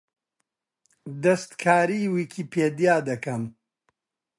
دەستکاریی ویکیپیدیا دەکەم.